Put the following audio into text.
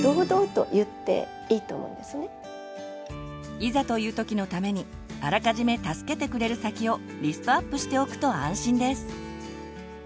いざという時のためにあらかじめ助けてくれる先をリストアップしておくと安心です。